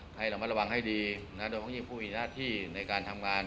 ให้ระมัดระวังให้ดีนะโดยเพราะยิ่งผู้มีหน้าที่ในการทำงาน